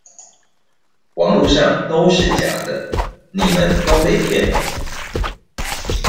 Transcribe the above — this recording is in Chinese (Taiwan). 網路上都是假的，你們都被騙了